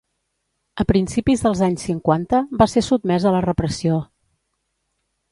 A principis dels anys cinquanta va ser sotmès a la repressió.